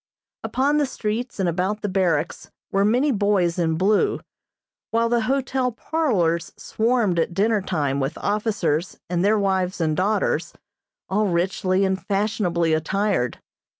Upon the streets and about the barracks were many boys in blue, while the hotel parlors swarmed at dinner time with officers and their wives and daughters, all richly and fashionably attired.